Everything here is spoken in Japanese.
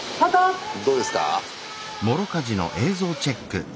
どうですか？